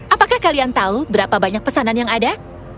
apakah kalian tahu berapa banyak pesanan yang ada